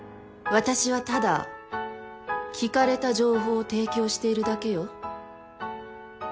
私はただ聞かれた情報を提供しているだけよ。